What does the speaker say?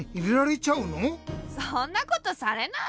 そんなことされないよ。